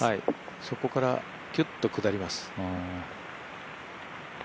そこからきゅっと下ります。